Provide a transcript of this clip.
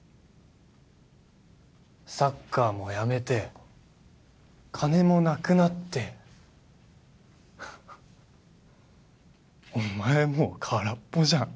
サッカーもやめて金もなくなってお前もう空っぽじゃん